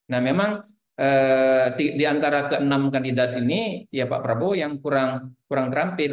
nah memang di antara ke enam kandidat ini ya pak prabowo yang kurang terampil